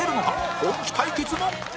本気対決も